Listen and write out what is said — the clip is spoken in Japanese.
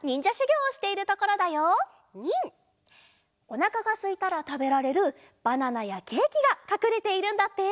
おなかがすいたらたべられるバナナやケーキがかくれているんだって。